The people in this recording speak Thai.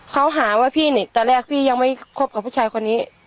เขาหาว่าพี่นี่ตอนแรกพี่ยังไม่คบกับผู้ชายคนนี้